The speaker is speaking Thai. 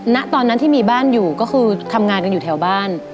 ณตอนนั้นที่มีบ้านอยู่ก็คือทำงานกันอยู่แถวบ้าน